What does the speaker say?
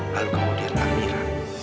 lalu kemudian amira